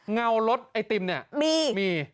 เงารถไอติมเนี่ยมีมี